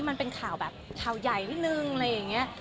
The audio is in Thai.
มันเป็นข่าวแบบข่าวใหญ่นิดนึงอะไรอย่างนี้